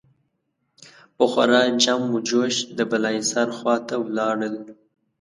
په خورا جم و جوش د بالاحصار خوا ته ولاړل.